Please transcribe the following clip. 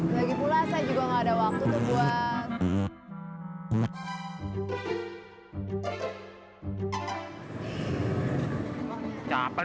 lagipula saya juga nggak ada waktu tuh buat